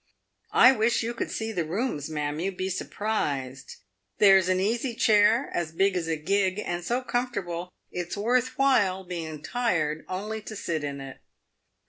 I wish you could see the rooms, ma'am, you'd be surprised. There's an easy chair as big as a gig, and so comfortable, it's worth while being tired only to sit in it.